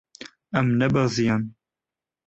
Em nebeziyan.